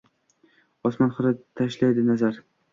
Osmon xira tashlaydi nazar.